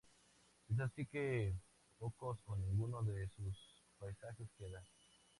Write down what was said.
Es así que pocos o ninguno de sus paisajes quedan.